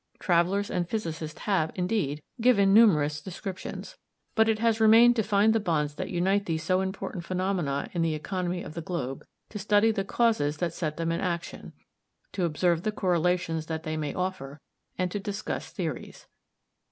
Travelers and physicists have, indeed, given numerous descriptions, but it has remained to find the bonds that unite these so important phenomena in the economy of the globe, to study the causes that set them in action, to observe the correlations that they may offer, and to discuss theories.